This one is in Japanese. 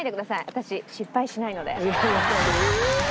私失敗しないので。